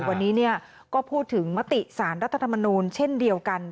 วันนี้ก็พูดถึงมติสารรัฐธรรมนูลเช่นเดียวกัน